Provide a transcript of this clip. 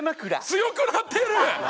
強くなってる！